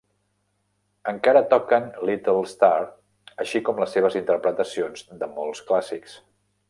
Encara toquen "Little Star", així com les seves interpretacions de molts clàssics.